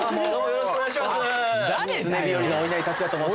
よろしくお願いします。